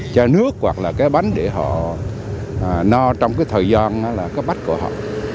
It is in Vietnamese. cho nước hoặc là cái bánh để họ no trong cái thời gian đó là cái bách của họ